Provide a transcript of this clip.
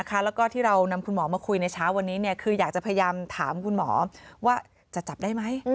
แล้วก็ที่เรานำคุณหมอมาคุยในเช้าวันนี้คืออยากจะพยายามถามคุณหมอว่าจะจับได้ไหม